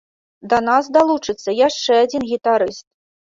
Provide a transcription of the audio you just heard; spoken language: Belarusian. Да нас далучыцца яшчэ адзін гітарыст.